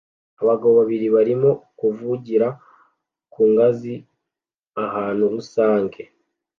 Abagabo babiri barimo kuvugira ku ngazi ahantu rusange